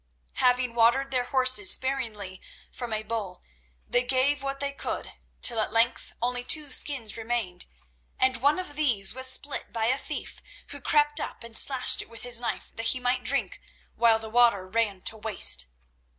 Having watered their horses sparingly from a bowl, they gave what they could, till at length only two skins remained, and one of these was spilt by a thief, who crept up and slashed it with his knife that he might drink while the water ran to waste.